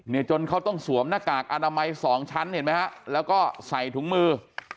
จนเขาต้องสวมหน้ากากอนามัยสองชั้นเห็นไหมฮะแล้วก็ใส่ถุงมือ